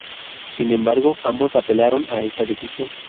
Sin embargo, ambos apelaron a esta decisión.